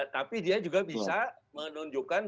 tapi dia juga bisa menunjukkan